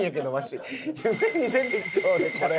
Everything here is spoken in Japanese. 夢に出てきそうでこれ。